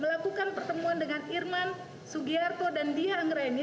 melakukan pertemuan dengan irman sugiharto dan di hangreni